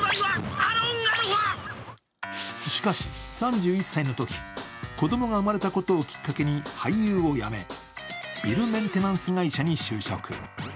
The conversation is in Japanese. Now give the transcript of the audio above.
しかし、３１歳のとき、子供が生まれたことをきっかけに俳優を辞め、ビルメンテナンス会社に就職。